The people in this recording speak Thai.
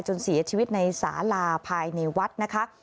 จนเสียชีวิตในสาลาภายในวัดนะคะ